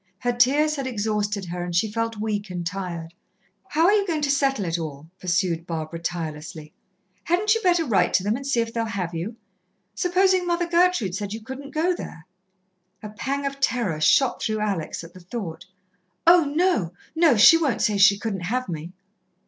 Her tears had exhausted her and she felt weak and tired. "How are you going to settle it all?" pursued Barbara tirelessly. "Hadn't you better write to them and see if they'll have you? Supposing Mother Gertrude said you couldn't go there?" A pang of terror shot through Alex at the thought. "Oh, no, no! She won't say she couldn't have me."